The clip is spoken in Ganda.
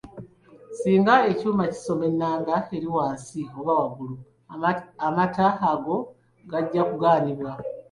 Singa ekyuma kisoma ennamba eri wansi oba waggulu amata ago gajja kugaanibwa.